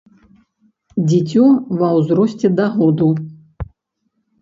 Дзіцё ва ўзросце да году.